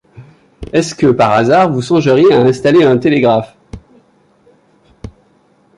Est-ce que, par hasard, vous songeriez à installer un télégraphe